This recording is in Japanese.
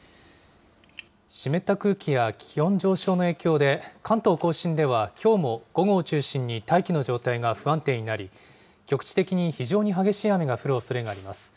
湿った空気や気温上昇の影響で、関東甲信ではきょうも午後を中心に大気の状態が不安定になり、局地的に非常に激しい雨が降るおそれがあります。